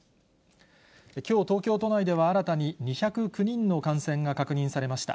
きょう、東京都内では新たに２０９人の感染が確認されました。